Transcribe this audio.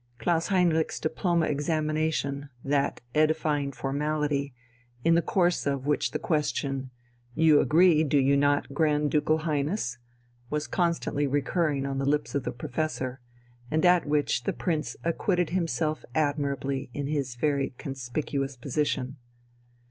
Klaus Heinrich's diploma examination, that edifying formality, in the course of which the question, "You agree, do you not, Grand Ducal Highness?" was constantly recurring on the lips of the Professor, and at which the Prince acquitted himself admirably in his very conspicuous position.